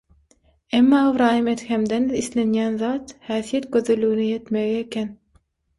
emma Ybraýym Edhemden islenýän zat, häsiýet gözelligine ýetmegi eken.